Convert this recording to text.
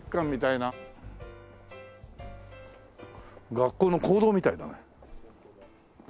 学校の講堂みたいだね。